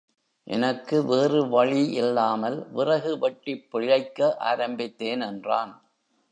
எனக்கு வேறு வழி இல்லாமல்விறகு வெட்டிப் பிழைக்க ஆரம்பித்தேன் என்றான்.